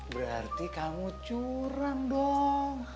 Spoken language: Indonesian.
berarti kamu curang dong